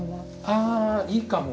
あいいかも。